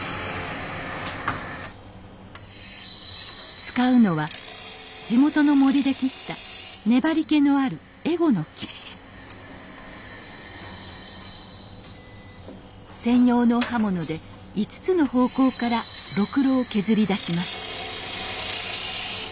使うのは地元の森で切った粘りけのある専用の刃物で５つの方向からろくろを削り出します